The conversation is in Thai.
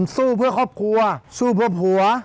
สู้เพื่อครอบครัวสู้เพื่อผัว